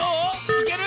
いける？